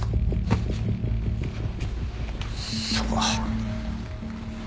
そうか。